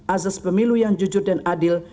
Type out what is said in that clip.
azas pemilu yang jujur dan adil